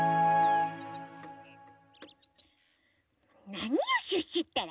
なによシュッシュったら！